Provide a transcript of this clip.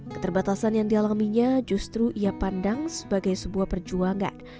keterbatasan yang dialaminya justru ia pandang sebagai sebuah perjuangan